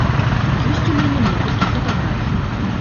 Ёсць у мяне некалькі фатаграфій.